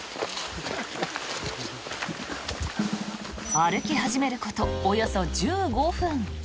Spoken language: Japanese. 歩き始めることおよそ１５分。